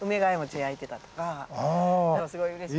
すごいうれしい。